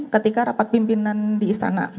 ketika rapat pimpinan di istana